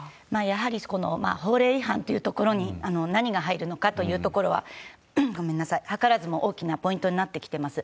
やはり法令違反というところに何が入るのかというは、図らずも大きなポイントになってきてます。